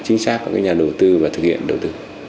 chính xác của nhà đầu tư và thực hiện đầu tư